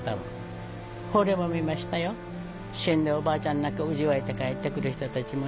死んだおばあちゃんなんかうじ湧いて帰ってくる人たちもね。